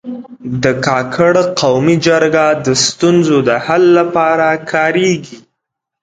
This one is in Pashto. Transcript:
د کاکړ قومي جرګه د ستونزو د حل لپاره کارېږي.